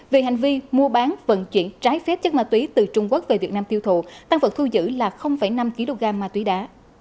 về hành vi mua bán vận chuyển trái phép chất ma túy từ trung quốc về việt nam tiêu thụ tăng vật thu giữ là năm kg ma túy đá